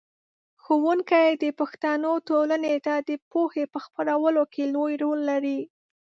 ښوونکی د پښتنو ټولنې ته د پوهې په خپرولو کې لوی رول لري.